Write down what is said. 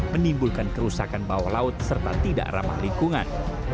menimbulkan kerusakan bawah laut serta tidak ramah lingkungan